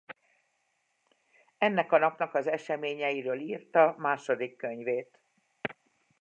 Ennek a napnak az eseményeiről írta második könyvét.